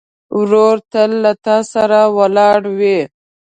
ورور تل له تا سره ولاړ وي.